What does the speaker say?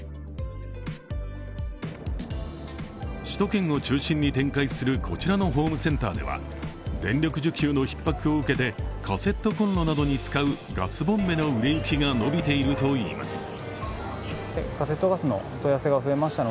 首都圏を中心に展開するこちらのホームセンターでは電力需給のひっ迫を受けてカセットこんろなどに使うガスボンベの売れ行きが伸びているといいます。